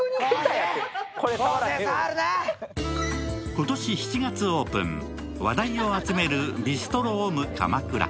今年７月オープン、話題を集めるビストロオム鎌倉。